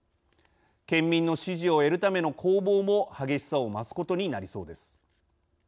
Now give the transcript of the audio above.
県民の支持を得るための攻防も激しさを増すことになりそうです。